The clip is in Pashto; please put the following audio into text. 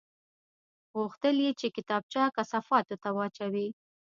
غوښتل یې چې کتابچه کثافاتو ته واچوي